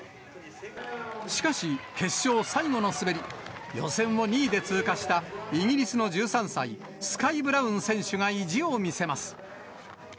しかし、決勝最後の滑り、予選を２位で通過したイギリスの１３歳、スカイ・ブラウン選手が意地を見せます。